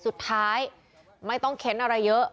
สุดท้ายไม่ต้องเค้นอะไรเยอะ